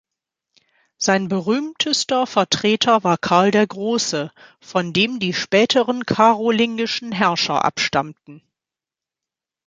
Sein berühmtester Vertreter war Karl der Große, von dem die späteren karolingischen Herrscher abstammten.